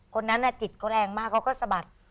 คนนั้นจิตเขาแรงมากเขาก็สะบัด